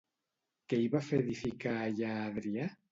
Què hi va fer edificar allà Adrià?